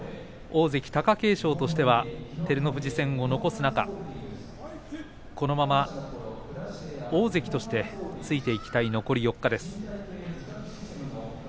大関貴景勝としては照ノ富士戦を残す中このまま大関としてついていきたい残り４日です。